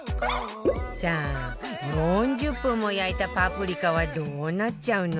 さあ４０分も焼いたパプリカはどうなっちゃうの？